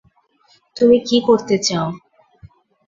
"তুমি কী করতে চাও?"